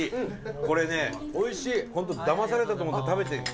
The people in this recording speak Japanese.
これね、本当だまされたと思って食べてみて。